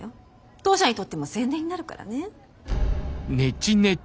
当社にとっても宣伝になるからね。